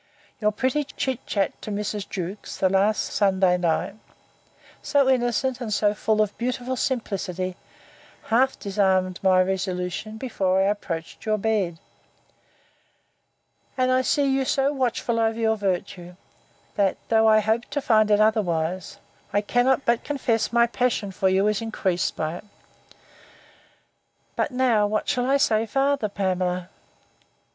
Your pretty chit chat to Mrs. Jewkes, the last Sunday night, so innocent, and so full of beautiful simplicity, half disarmed my resolution before I approached your bed: And I see you so watchful over your virtue, that though I hoped to find it otherwise, I cannot but confess my passion for you is increased by it. But now, what shall I say farther, Pamela?